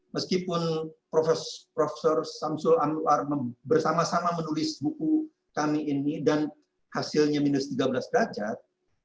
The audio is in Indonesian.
meskipun prof samsul anwar bersama sama menulis buku kami ini dan hasilnya minus tiga belas derajat